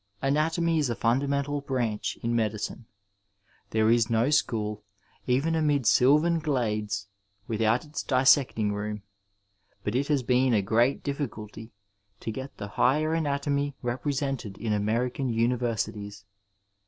Anatomy is a fundamental branch in medicine. There is no school, even amid sylvan glades, without its dissecting room; but it has been a great difficulty to get the higher anatomy represented in American universities.